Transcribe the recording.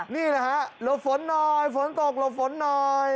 นี่แหละฮะหลบฝนหน่อยฝนตกหลบฝนหน่อย